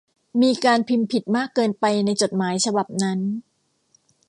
มีการพิมพ์ผิดมากเกินไปในจดหมายฉบับนั้น